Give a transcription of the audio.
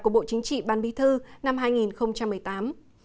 của bộ chính trị ban bí thư năm hai nghìn một mươi tám